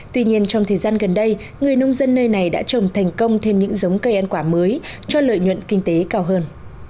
tuy nhiên trong thời gian gần đây người nông dân nơi này đã trồng thành công thêm những giống cây ăn quả mới cho lợi nhuận kinh tế cao hơn